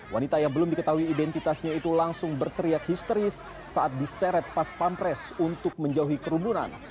wanita yang belum diketahui identitasnya itu langsung berteriak histeris saat diseret pas pampres untuk menjauhi kerumunan